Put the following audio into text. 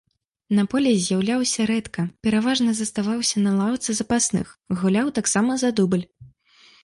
На полі з'яўляўся рэдка, пераважна заставаўся на лаўцы запасных, гуляў таксама за дубль.